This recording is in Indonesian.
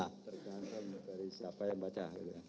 tergantung dari siapa yang baca